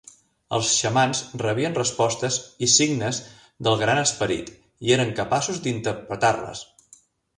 Els xamans rebien respostes i signes del Gran Esperit i eren capaços d'interpretar-les.